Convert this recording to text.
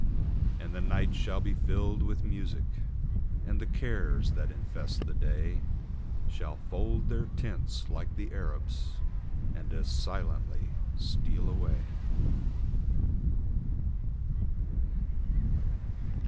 And the night shall be filled with music And the cares, that infest the day, Shall fold their tents, like the Arabs, And as silently steal away.